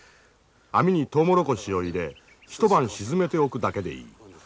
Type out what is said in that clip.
網にトウモロコシを入れ一晩沈めておくだけでいい。